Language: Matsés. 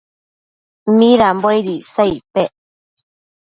midambo aid icsa icpec ?